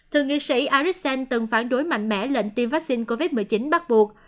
thượng nghị sĩ arixen từng phản đối mạnh mẽ lệnh tiêm vaccine covid một mươi chín bắt buộc